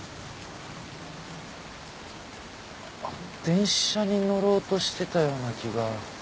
電車に乗ろうとしてたような気が。